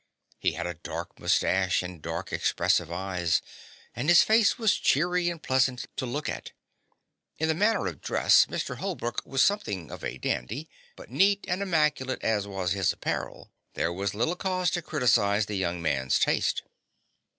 He had a dark moustache and dark, expressive eyes, and his face was cheery and pleasant to look at. In the matter of dress Mr. Holbrook was something of a dandy, but neat and immaculate as was his apparel there was little cause to criticise the young man's taste.